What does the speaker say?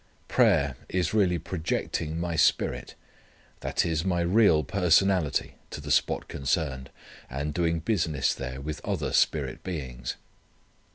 Prayer is really projecting my spirit, that is, my real personality to the spot concerned, and doing business there with other spirit beings.